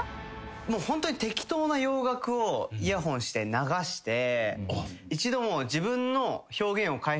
ホントに適当な洋楽をイヤホンして流して一度。